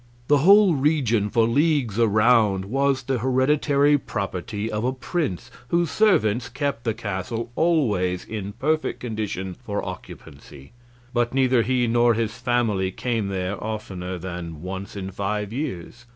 The whole region for leagues around was the hereditary property of a prince, whose servants kept the castle always in perfect condition for occupancy, but neither he nor his family came there oftener than once in five years.